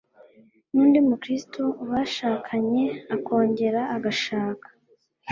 nu ndi mukristo bashakanye akongera agashaka